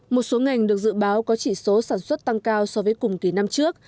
một số ngành được dự báo có chỉ số sản xuất tăng cao so với cùng kỳ năm trước